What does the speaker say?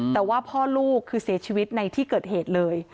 แต่ว่าพ่อลูกคือเสียชีวิตในที่เกิดเหตุเลย